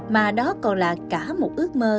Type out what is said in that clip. mà đó còn là cả một ước mơ